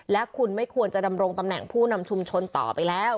และคุณไม่ควรจะดำรงตำแหน่งผู้นำชุมชนต่อไปแล้ว